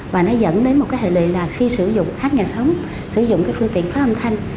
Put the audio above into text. và nó dẫn đến một cái hệ lị là khi sử dụng hát nhạc sống sử dụng cái phương tiện phá âm thanh